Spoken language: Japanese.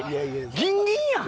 ギンギンやん！